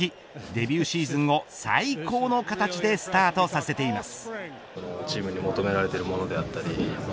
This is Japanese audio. デビューシーズンを最高の形でスタートさせています。